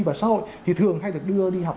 và xã hội thì thường hay được đưa đi học